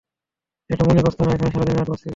এটা মবির আস্তানা, এখানে সারাদিন রাত মাস্তি করি।